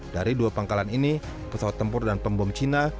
dari dua pangkalan ini pesawat tempur dan pembom cina